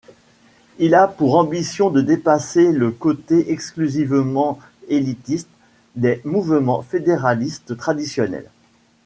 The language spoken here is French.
Il a pour ambition de dépasser le côté exclusivement élitiste des mouvements fédéralistes traditionnels.